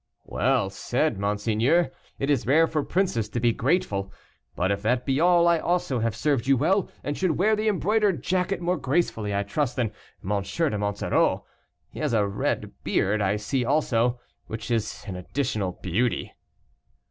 "Well said, monseigneur, it is rare for princes to be grateful; but if that be all, I also have served you well, and should wear the embroidered jacket more gracefully, I trust, than M. de Monsoreau. He has a red beard, I see also, which is an additional beauty."